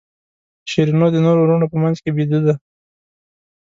شیرینو د نورو وروڼو په منځ کې بېده ده.